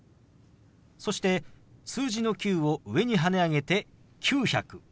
そして数字の「９」を上にはね上げて「９００」。